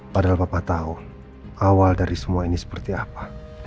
padahal bapak tahu awal dari semua ini seperti apa